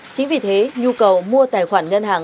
chính vì thế nhu cầu mua tài khoản ngân hàng